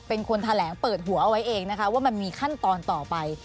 เป็นคนแถลงเปิดหัวเอาไว้เองนะคะว่ามันมีขั้นตอนต่อไป